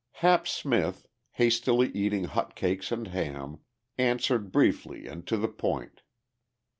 Hap Smith, hastily eating hot cakes and ham, answered briefly and to the point.